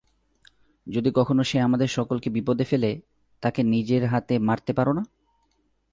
যদি কখনো সে আমাদের সকলকে বিপদে ফেলে, তাকে নিজের হাতে মারতে পার না?